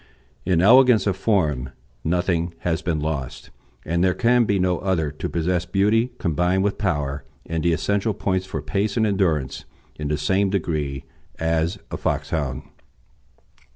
In elegance of form nothing has been lost, and there can be no other to possess beauty combined with power and the essential points for pace and endurance in the same degree as a Foxhound.